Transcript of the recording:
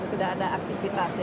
sudah ada aktivitas